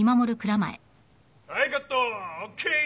はいカットＯＫ！